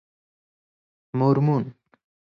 مورمون